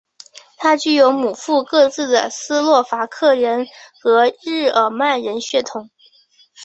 他具有母父各自的斯洛伐克人和日耳曼人血统。